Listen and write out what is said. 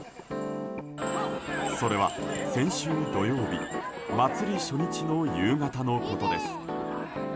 それは先週土曜日祭り初日の夕方のことです。